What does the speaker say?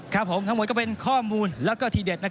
ครับผมทั้งหมดก็เป็นข้อมูลและทีเด็ด